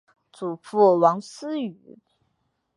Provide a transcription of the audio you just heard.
祖父王思与。